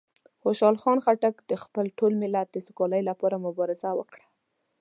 خوشحال خان خټک د خپل ټول ملت د سوکالۍ لپاره مبارزه وکړه.